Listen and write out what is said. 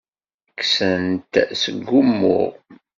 Kksen-t seg wumuɣ.